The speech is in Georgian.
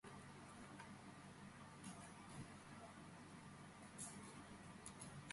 მას დაბადებისთანავე მიანიჭეს შლეზვიგის ჰერცოგის წოდება.